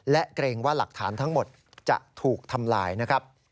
และเกรงว่าหลักฐานทั้งหมดจะถูกทำลายนะครับ